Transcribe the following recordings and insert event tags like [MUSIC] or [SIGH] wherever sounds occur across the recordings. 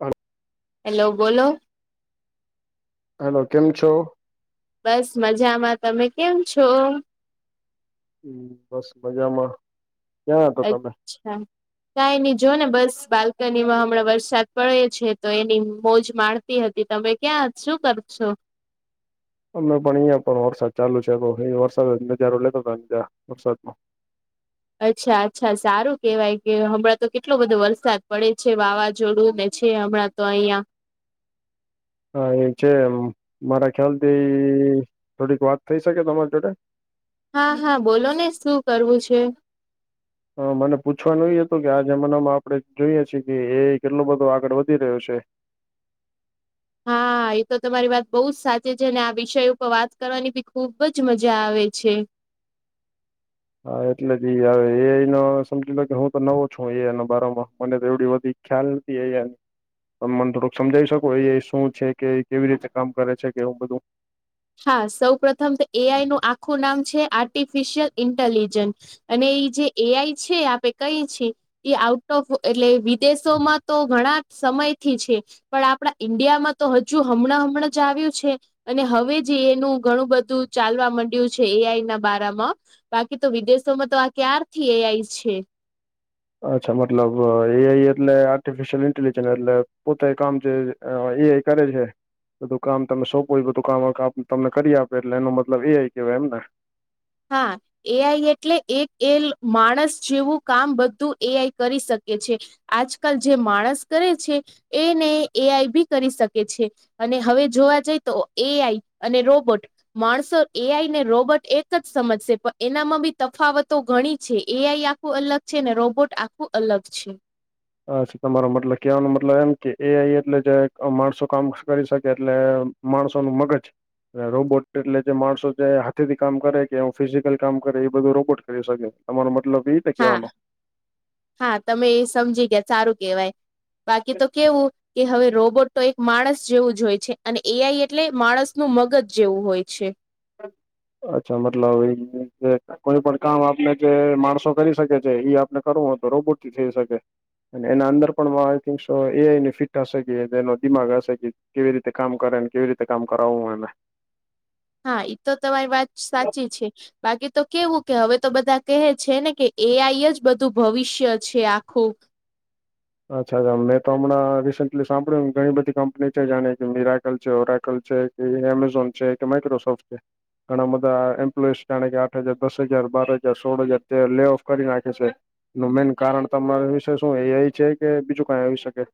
Hello hello બોલો hello કેમ છો. બસ મજામાં તમે કેમ છો. હમ બસ મજામાં ક્યાં હતા તમે અચ્છા કાંઈની જો ને બસ બાલ્કનીમાં હમણાં વરસાદ પડે છે તો એની મોજ માણ તી હતી તમે ક્યાં શું કર છો. અમે પણ અહિયાં પણ વરસાદ ચાલુ છે એ વરસાદ નજારો લેતો હતો વરસાદમાં. અચ્છા અચ્છા, સારું કેવાય કે હમણાં તો કેટલો બધો વરસાદ પડે છે વાવાઝોડું ને છે હમણાં. તો અયા. હા, એ છે મારા ખ્યાલથી થોડીક વાત થઈ શકે તમારી જોડે? હા હા, બોલો ને શું કરવું છે. હ મને પૂછવાનું ઈ હતું કે આ જમાનામાં આપણે જોઈએ છીએ કે એ કેટલો બધો આગળ વધી રહ્યો છે. [INAUDIBLE] હા એ તો તમારી વાત બોઉ જ સાચી છે અને આ વિષય ઉપર વાત કરવાની બી ખુબ જ મજા આવે છે. હા, એટલે જ એઆઈ નો સમજી લો કે હું તો નવો છું એ આઈ ને બારમાં મને તો એવડી બધી. ખ્યાલ નથી એ આઈ. તમ મને થોડુંક સમજાવી શકો એઆઈ શું છે કે કેવી રીતે કામ કરે છે કેવું બધું? હા, સૌ પ્રથમ તો એઆઈ નું આખું નામ છે આર્ટિફિશિયલ ઇન્ટેલિજન્સ. અને ઈ જે એઆઈ છે આપે કઈ છે. એ આઉટ ઓફ એટલે વિદેશોમાં તો ઘણાં સમયથી છે. પણ આપણા ઈન્ડિયામાં તો હજુ હમણાં હમણાં જ આવ્યું છે અને હવે જી એનું ઘણું બધું ચાલવા માંડ્યું છે એઆઈ ના બારામાં. બાકી તો વિદેશોમાં તો આ ક્યારથી એઆઈ છે. અચ્છા, મતલબ એઆઈ એટલે આર્ટિફિશયલ ઇન્ટેલિજન્સ એટલે પોતે કામ છે. હ, એ કરે છે. બધુ કામ તમે સોપો એ બધું કામ તમને કરી આપે એટલે એનો મતલબ એઆઈ કેવાય એમને? હા. એ આઈ એટલે એક એ માણસ જેવું કામ બધું એ આઈ કરી શકે છે. આજકલ જે માણસ કરે છે એને એઆઈ બી કરી શકે છે. અને હવે જોવા જઈ તો એ આઈ અને રોબોટ માણસો એ આઈ ને રોબોટ એક જ સમજશે પણ એનામાં બી તફાવતો ઘણી છે એઆઈ આખું અલગ છે ને રોબોટ આ ખુ અલગ છે. હા, તમારો મતલબ કેવાનો મતલબ એમ કે એ આઈ એટલે જે માણસો કામ કરી શકે એટલે માણસોનું મગજ. રોબોટ એટલે જે માણસો છે હાથેથી કામ કરે કે ફિઝિકલ કામ કરે એ બધું રોબોટ કરી શકે. તમારો મતલબ ઈ હા, હા તમે એ સમજી ગયા સારું કેવાય. બાકી તો કેવું કે હવે રોબોટ તો એક માણસ જેવું જ હોય છે અને એઆઈ એટલે માણસનું મગજ જેવું હોય છે. અચ્છા, મતલબ એ કોઈ પણ કામ આપને જે માણસો કરી શકે છે ઈ આપને કરવું હોય તો રોબૉટથી થઈ શકે. અને એના અંદર પણ આઈ થિક એને ફિટ હશે કે એનો દિમાગ હશે કે કેવી રીતે કામ કરે ને કેવી રીતે કામ કરાવવું હોય એને. હા, એ તો તમારી વાત સાચી છે બાકી તો કેવું કે હવે તો બધા કહે છે ને કે એ આઈ જ બધું ભવિષ્ય છે આખું. અચ્છા, મેં તો હમણાં રિસેન્ટલી સાંભળ્યું ઘણી બધી કંપની છે જાણે કે મિરાયકલ છે, ઓરાકલ છે. એ એમેઝોન છે કે માઇક્રોસોફ્ટ છે. ઘણાં બધાં એમ્પ્લોઈસ જાણે કે આઠ હજાર, દસ હજાર, બાર હજાર, સોળ હજાર તે લે ઓફ કરી નાખે છે. નું મેન કારણ તમારા વિશે શું એઆઈ છે કે બીજું કઈ આવી શકે?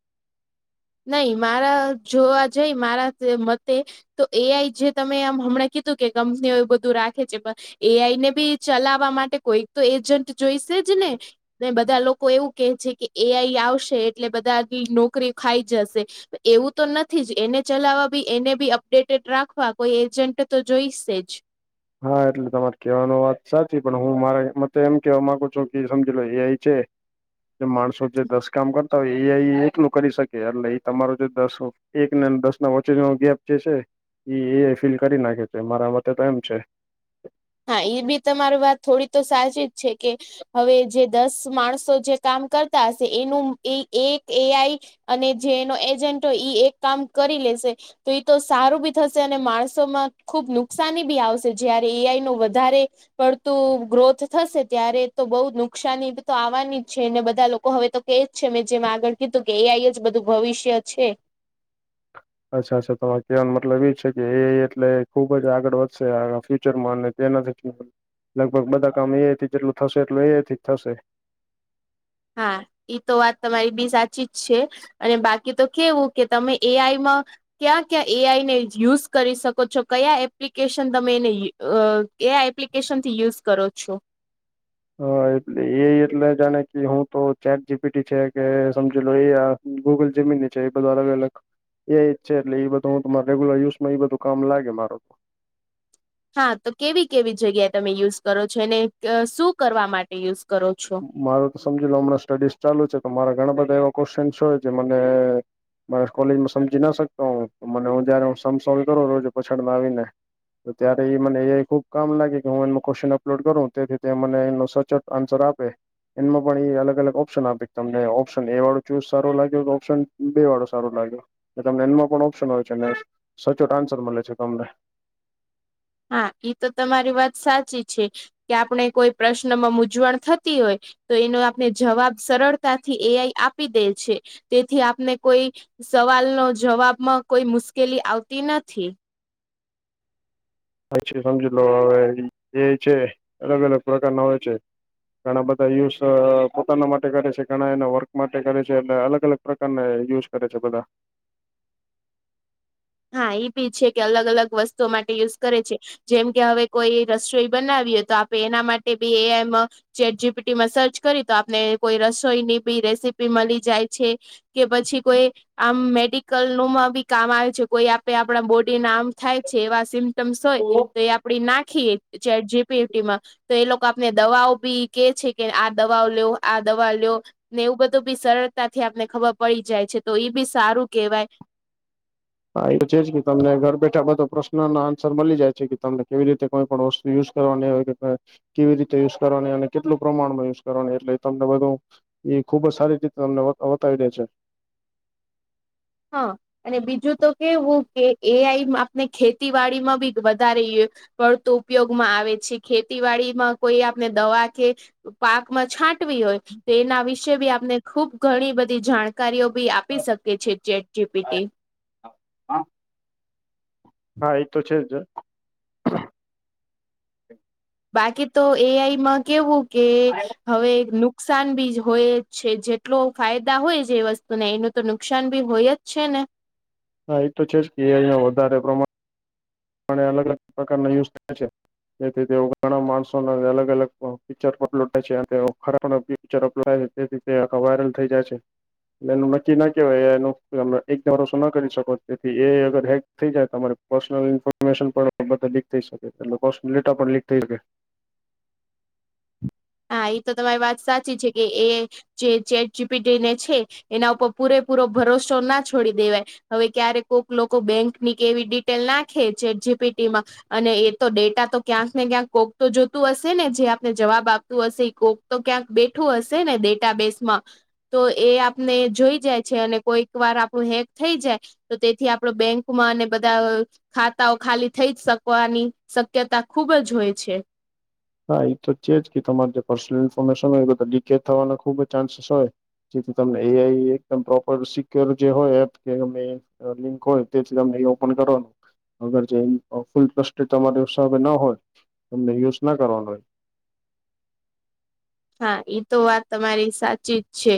નઈ મારા જોવા જઈ મારા મતે તો એઆઈ જે તમે આમ હમણાં કીધું કે કંપનીઓ એ બધું રાખે છે પ એઆઈ ને બી ચલાવવા માટે કોઈક તો એજન્ટ જોઈશે જ ને. ને બધા લોકો એવું કે છે કે એઆઈ આવશે એટલે બધાંની નોકરી ખાઈ જશે. એવું તો નથી જ એને ચલાવવા બી એને બી અપડેટેડ રાખવા કોઈ એજન્ટ તો જોઈશે જ. હા, એટલે તમારે કેવાનું વાત સાચી પણ હું મારે મતે એમ કેવા માંગુ છું કે સમજી લો એઆઈ છે. જે માણસો જે દસ કામ કરતા હોય એઆઈ એકલું કરી શકે એટલે ઈ તમારો જે દસ હો એક દસ ના વચ્ચેનો ગેપ જે છે એ એ ફિલ કરી નાખે છે મારા માટેતે એમ છે. હા એ બી તમાર વાત થોડી તો સાચી જ છે કે હવે જે દસ માણસો જે કામ કરતા હશે એનું એ એક એઆઈ અને જેનો એજન્ટો ઈ એક કામ કરી લેશે તો એ તો સારું બી થશે અને માણસોમાં ખુબ નુકસાની બી આવશે જયારે એ આઈ વધારે પર તું ગ્રોથ થશે ત્યારે તો બહુ નુકસાની તો આવવાની જ છેને બધા લોકો હવે તો એજ છે મેં જેમ આગળ કીધું કે એ આઈ જ બધું ભવિષ્ય છે. અચ્છા અચ્છા તમારે કહેવાનો મતલબ એ છે કે એ એટલે ખુબ જ આગળ વધશે આ ફ્યુચરમાં તેના લગભગ બધા કામ એ આઈ થી જેટલું થશે એટલું એ આઈ થી થશે હા એઈ તો વાત તમારી બી સાચી જ છે. અને બાકી તો કેવું કે તમે એ આઈમાં ક્યાં ક્યાં એઆઈ ને યુઝ કરી શકો છો કયા એપ્લિકેશન તમે એને અ એ એપ્લિકેશન થી યુઝ કરો છો? હા એટલે એ આઈ એટલે જાણે કે હું તો ચેટ જીપીટી છે કે સમજી લો એ ગૂગલ જે [INAUDIBLE] અલગ એ જ છે એટલે બધું હુંરેેગ્યુલર યુસમાં એ બધું કામ લાગે મારો તો હા તો કેવી કેવી જગ્યા તમે યુઝ કરો છો ને શું કરવા માટે યુઝ કરો છો? મારો તો સમજી લો હમણાં સ્ટડીઝ ચાલુ છે તો મારા ઘણા બધા એવા ક્વેશ્ચનસ હોય જે મને મને કોલેજમાં સમજી ના શકતો હ મને હું જયારે [UNINTELLIGIBLE] આવી ને તો ત્યારે એ મને એ ખુબ કામ લાગે કે હું એનો ક્વેશ્ચન અપલોડ કરું તેથી તે મને એ સચ આન્સર આપ [INAUDIBLE] એમાં પણ એ અલગ અલગ ઓપ્શન આપી તમને ઓપ્શન એ વાળો ચૂઝ સારો લાગ્યો ઓપ્શન બે વાળો સારો લાગ્યો તમને એનમાં પણ ઓપ્શન હો છે સચોટ આન્સર મળે છે તમને હા એ તો તમારી વાત સાચી છે કે આપણે કોઈ પ્રશ્નમાં મૂઝવણ થતી હોય તો એનો આપને જવાબ સરળતાથી એઆઈ આપી દે છે તેથી આપને કોઈ સવાલ નો જવાબમાં કોઈ મુશ્કેલી આવતી નથી પછી સમજી લો હવે એ ઈ છે અલગ અલગ પ્રકાર ના હોય છે. ઘણા બધા યુઝ પોતાના માટે કરે છે ઘણા એના વર્ક માટે કરે છે એટલે અલગ અલગ પ્રકારના યુઝ કરે છે બધા હા એ બી છે કે અલગ અલગ વસ્તુઓ માટે યુઝ કરે છે. જેમ કે હવે કોઈ રસોઈ બનાવીએ તો આપે એના માટે બી એમ જેેટ જીપીટીમાં સર્ચ કરી તો આપને કોઈ રસોઈ ની બી રેસીપી મળી જાય છે. કે પછી કોઈ આમ, મેડિકલ નું માં બી કામ આવે છે. કોઈ આપે, આપણા બોડી ના આમ થાય છે, એવા સિમ્ટમ્સ હોય તો એ આપ નાખીએ, ચ જી. પી. ટી માં. તો એ લોકો આપને દવાઓ બી કે છે કે, આ દવાઓ લેવ, આ દવા લેવ. ને એવું બધું બી સરળતાથી આપને ખબર પડી જાય છે, તો એ બી સારું કહેવાય. હા, એવું છે જ કે, તમને ઘર બેઠા બધો પ્રશ્નનો આન્સર મળી જાય છે કે, તમને કેવી રીતે કોઈ પણ યુઝ કરવાની હોય, કેવી રીતે યુઝ કરવાની? અને કેટલું પ્રમાણમાં યુઝ કરવાની, એટલે તમને બધું એ ખુબ જ સારી રીતે તમને બતાવી રહે છે. હા‌. અને બીજું તો કેવું કે, એ. આઈ આપને ખેતીવાડી માં બી વધારે પડતો ઉપયોગમાં આવે છે, ખેતીવાડી માં કોઈ આપને દવા કે પાકમાં છાંટવી હોય. તો એના વિશે બી આપને ખુબ ઘણી બધી જાણકારીઓ બી આપી શકે છે. Chat G. પી. ટી. હા, એ તો છે જ બાકી તો એ. આઈ. માં કેવું કે, હવે નુકસાન બી હોય જ છે, જેટલો ફાયદા હોય છે, એ વસ્તુને એનું તો નુકસાન બી હોય જ છે ને. હા, એ તો છે જ કે, અહીયાં વધારે પ્રમાણ પણ અલગ-અલગ પ્રકારના યુઝ થાય છે. તેથી તેઓ ઘણા માણસો ના અલગ-અલગ પિક્ચરા પણ લૂટે છે, અને તેઓ ફટા પિચરો પિરાય તેથી [UNINTELLIGIBLE] વાયરલ થઈ જાય છે. એનું નક્કી ના કેહેવાય, એનું એકદમ શું ના કરી શકો? તેથી એ અગર હે. થઈ જાય, તમારે પર્સનલ ઇન્ફોર્મેશન પણ બધા લીક થઈ શકે, એટલે પર્સનલ ડેટા પણ લીક થઈ શકે. હા, એ તો તમારી વાત સાચી છે. કે એ. જે ચેટ જી. પી. ટી ને છે, એના ઉપર પૂરેપૂરો ભરોસો ના છોડી દેવાય. હવે ક્યારે ક કોઈક લોકો બેંક ની કે એવી ડિટેલ નાખે, ચેટ જી. પી. ટીમાં. અને એ તો ડેટા તો ક્યાંક ને ક્યાંક કોક તો જોતું હશે ને? જે આપને જવાબ આપ તું હશે, કોક તો ક્યાંક બેઠું હશે ને, ડેટાબેસ માં. તો એ આપને જોઈ જાય છે, અને કોઈક વાર આપણું હેક થઈ જાય. તો તેથી આપડો બેંકમાં અને બધા ખાતાઓ ખાલી થઈ શકવાની શક્યતા ખુબ જ હોય છે. હા, એ તો છે જ કે, તમારે જે પર્સનલ ઇન્ફોર્મેશન હોય, એ બધા લીક થવાના ખુબ જ ચાન્સેસ હોય. જેથી તમને એ. આઈ એકદમ, પ્રોપર સિક્યોર જે હોય, એપ કે અમે લિંક હોય, તેથી તમને હી ઓપન કરવાનું. અગર જે ફૂલ ટસ્ટે તમારી હિસાબે ના હોય, તમને યુઝ ના કરવાનો હોય. હા, ઇ તો વાત તમારી સાચી જ છે.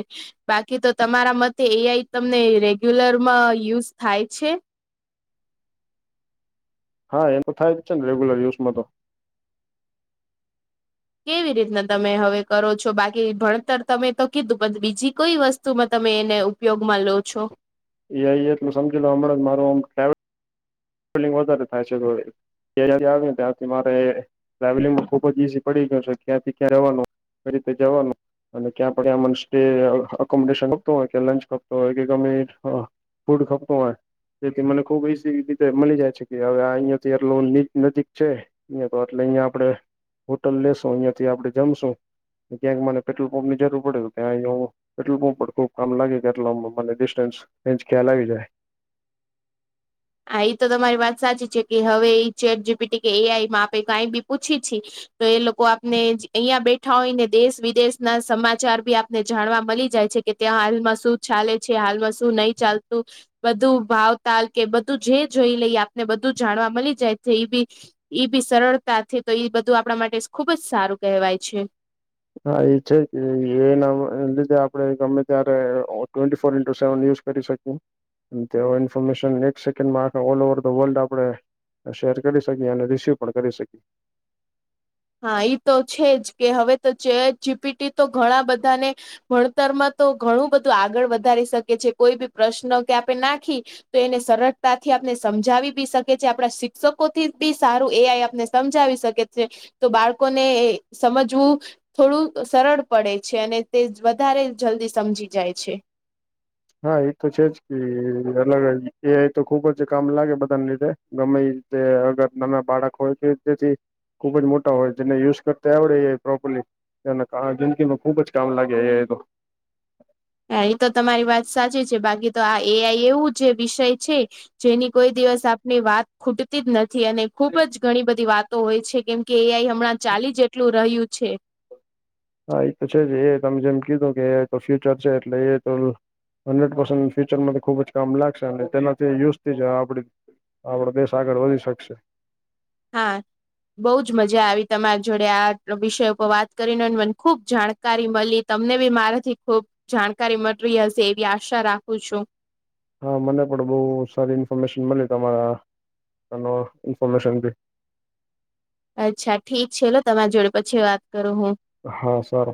બાકી તો તમારા મતે એઆઈ તમને રેગ્યુલરમાં યુઝ થાય છે? હા, એ તો થાય જ છે ને, રેગ્યુલર યુઝમાં તો. કેવી રીતના તમે, હવે કરો છો? બાકી ભણતર તમે તો કીધું પણ બીજી કોઈ વસ્તુમાં તમે એને ઉપયોગમાં લો છો? એ. આઇ એલું સમજી લો, અએમના જ મારે ટ્રાય ફૂલિંગ વધારે થાય છે, તેથી આવે ને ત્યાંથી મારે ટ્રાવેલિંગમાં ખુબ જ ઈઝી પડી ગયો છે, ક્યાં થી ક્યાં રહેવાનું કઈ રીતે જવાનું. અને ક્યાં ક્યાં મને સ્ટેસ અકોમોડેશન આપત હોય કે, લંચ કપતો હોય કે, ગમે એ ફૂડ ખપતો હોય, જેથી મને ખુબ ઇસી. મલી જાય છે, કે હવે આ અહિયા થી એટલુ ની નજીક છે. અહિયાયા તો એટલે અહિયાં આપડે હોટલ લેશો, અહિયા થી આપડે જમશું, ક્યાંક મને પેટ્રોલ પંપની જરૂર પડે, ત્યાં અહીયા એટલું બ પણ ખુબ કામ લાગે કે, આટલા મને ડિસ્ટન્સ એેન્જ ક્યાં આયી જાય. હા, એ તો તમારી વાત સાચી છે, કે હવે એ ચેટ જી. પી. ટી કે એ. આઈ માં આપે, કઈ બી પૂછી છી. તો એ લોકો આપને અહિયાં બેઠા હોય ને, દેશ-વિદેશ ના સમાચાર ભી આપને જાણવા મલી જાય છે કે. કે હાલમાં શું ચાલે છે હાલમાં શું નહી ચાલતું બધું ભાવ તાલ કે બ તું જે જોઈ લઈ આપને બધું જાણવા મળી જાય તે એ બી ઈ બી સરળતાથી તો એ બધું આપણા માટે ખુબ જ સારું કહેવાય છે. હા એ છે કે એના એ લીધે આપડે ગમે ત્યારે twenty four into seven use કરી શકુ તે ઇન્ફોર્મેશન એક સેન્ડમાં ઓ ઓવર ધ વર્લ્ડ આપણે શેર કરી શકી અને રિસીવ પણ કરી શકીએ. હા ઈ તો છે જ કે હવે તો જે ચેટ જીપીટી તો ઘણા બધાને ભણતરમાં તો ઘણું બધું આગળ વધારી શકે છે કોઈ બી પ્રશ્ન કે આપે નાખી તો એને સરળતાથી આપને સમજાવી બી શકે છે આપણા શિક્ષકો થી બી સારું એ આઈ આપને સમજાવી શકે છે તો બાળકોને સમજવું થોડું સરળ પડે છે અને તે વધારે જલ્દી સમજી જાય છે. હા એ તો છે જ કે અલગ એ આઈ તો ખુબ જ કામ લાગે બધાને લીધે ગમે તે અગર નાના બાળક હોય છે તેથી ખુબ જ મોટા હોય એટલે યુઝ કરતા આવડે એ પ્રોપરલી એના કહા જિંદગીમાં ખુબ જ કામ લાગે એ આઈ તો એ તો તમારી વાત સાચી છે બાકી તો આ એ આઇ એવું જે વિષય છે. જેની કોઈ દિવસ આપની વાત ખૂટતી જ નથી અને ખુબ જ ઘણી બધી વાતો હોય છે કેમ કે એ આઈ હમણાં હા ચાલી જેટલું રહ્યું છે. હા એ તો છે જ એ આઈ તમે જેમ કીધું કે એ આઈ તો ફ્યુચર છે એટલે એ તો હંડ્રેડ પસન્ટ ફ્યુચર માં તો ખુબ જ કામ લાગશે અને તેનાથી યુઝથી જ આપણી આપડો દેશ આગળ વધી શકશે. હા બહુંજ મજા આવી તમારી જોડે આ વિષય ઉપર વાત કરીને મને ખુબ જાણ જાણકારી મળી તમને બી મારાથી ખુબ જાણકારી મળી હશે એવી આશા રાખું છું. હા મને પણ બહુ સારી ઇન્ફોર્મેશન મળી તમારા નો ઇન્ફોર્મેશન ભી અચ્છા ઠીક છે લો તમારા જોડે પછી વાત કરું હું હા સર